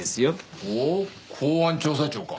ほう公安調査庁か。